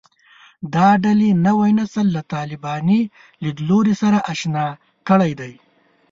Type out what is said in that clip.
دا ډلې نوی نسل له طالباني لیدلوري سره اشنا کړی دی